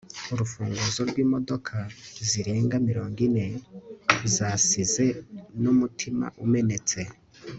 urufunguzo rwimodoka zirenga mirongo ine, zansize numutima umenetse